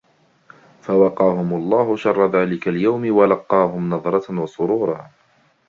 فوقاهم الله شر ذلك اليوم ولقاهم نضرة وسرورا